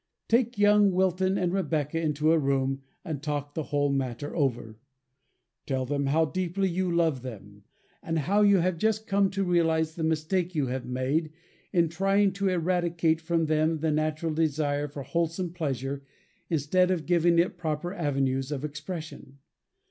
Take young Wilton and Rebecca into a room, and talk the whole matter over. Tell them how deeply you love them, and how you have just come to realize the mistake you have made in trying to eradicate from them the natural desire for wholesome pleasure instead of giving it proper avenues of expression.